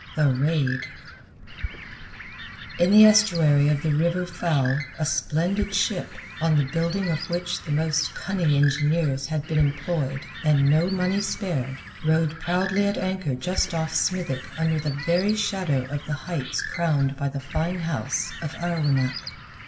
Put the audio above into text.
THE RAID In the estuary of the River Fal a splendid ship, on the building of which the most cunning engineers had been employed and no money spared, rode proudly at anchor just off Smithick under the very shadow of the heights crowned by the fine house of Arwenack.